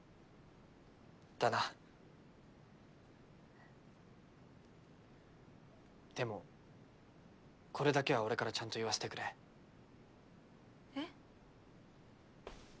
だなでもこれだけは俺からちゃんと言わせてくれえっ？